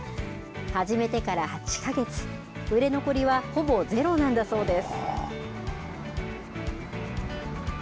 始めてから８か月売れ残りはほぼゼロなんだそうです。